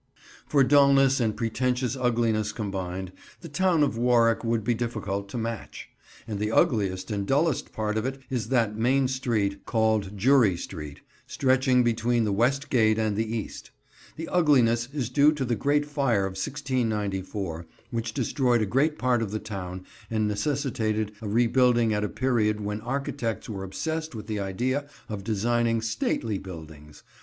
For dulness and pretentious ugliness combined, the town of Warwick would be difficult to match; and the ugliest and dullest part of it is that main street called Jury Street, stretching between the West Gate and the East. The ugliness is due to the great fire of 1694, which destroyed a great part of the town and necessitated a rebuilding at a period when architects were obsessed with the idea of designing "stately" buildings.